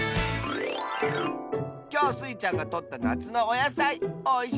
きょうスイちゃんがとったなつのおやさい。